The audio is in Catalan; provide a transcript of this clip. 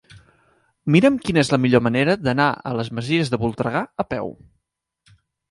Mira'm quina és la millor manera d'anar a les Masies de Voltregà a peu.